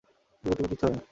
কুকুর-টুকুর কিচ্ছু হবে না!